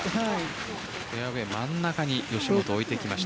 フェアウェイ、真ん中に吉本、置いてきました。